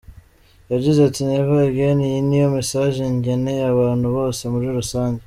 Yagize ati ”Never Again’ iyi niyo message ngeneye abantu bose muri rusange.